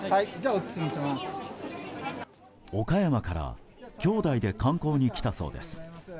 岡山から、きょうだいで観光に来たそうです。